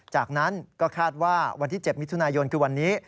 จากนั้นก็คาดว่าวันที่๗มิถุนายนคือวันนี้